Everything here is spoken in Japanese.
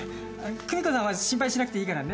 久美子さんは心配しなくていいからね。